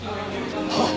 はっ！